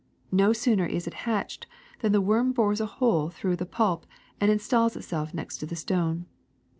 No sooner is it hatched than the worm bores a hole through the pulp and installs itself next to the stone.